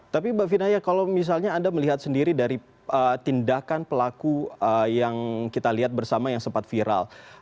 tapi mbak vinaya kalau misalnya anda melihat sendiri dari tindakan pelaku yang kita lihat bersama yang sempat viral